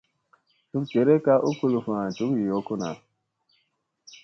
Cuk ɗerekka u kuluffa duk yoo kuna.